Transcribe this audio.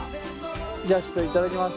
じゃあちょっと頂きます。